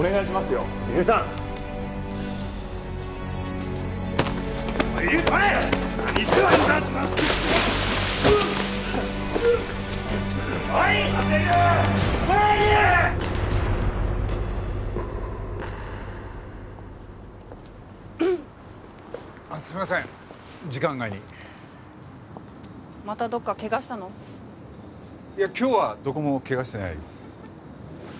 いや今日はどこも怪我してないです。